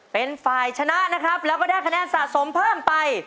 เป็นฝ่ายชนะนะครับแล้วก็ได้คะแนนสะสมเพิ่มไป